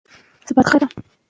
ورزش باید په خوند سره ترسره شي.